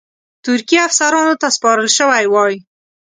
ترکي افسرانو ته سپارل شوی وای.